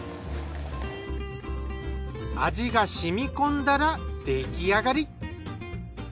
味がしみ込んだら出来上がり。